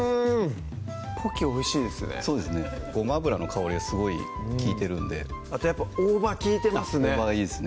ポキおいしいですねそうですねごま油の香りがすごい利いてるんであとやっぱ大葉利いてますね大葉がいいですね